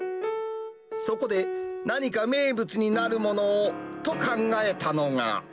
そこで、何か名物になるものをと考えたのが。